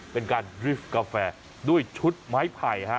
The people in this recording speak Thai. เป็นการดริฟต์กาแฟด้วยชุดไม้ไผ่ฮะ